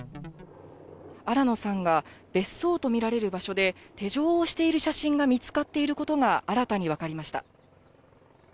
新野さんが別荘と見られる場所で、手錠をしている写真が見つかっていることが、新たに分かりました。